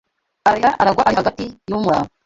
Ararira aragwa ari hagati yumuraba